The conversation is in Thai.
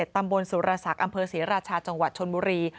ตำบลสุรศักดิ์อำเภอศรีราชาจังหวัดชนบุรี